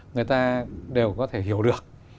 người ta đều có thể hiểu được